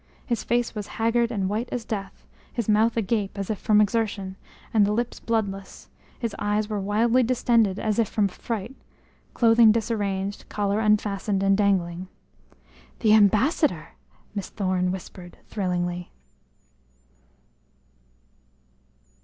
His face was haggard and white as death; his mouth agape as if from exertion, and the lips bloodless; his eyes were widely distended as if from fright clothing disarranged, collar unfastened and dangling. "The ambassador!" Miss Thorne whispered thrillingly.